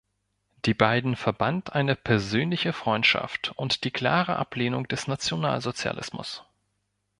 Die beiden verband eine persönliche Freundschaft und die klare Ablehnung des Nationalsozialismus.